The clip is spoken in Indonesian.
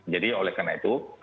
jadi oleh karena itu